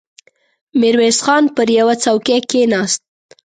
ميرويس خان پر يوه څوکۍ کېناست.